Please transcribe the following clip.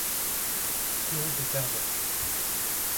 sur out e karzec'h.